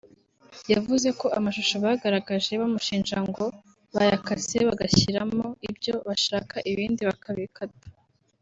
yavuze ko amashusho bagaragaje bamushinja ngo bayakase bagashyiramo ibyo bashaka ibindi bakabikata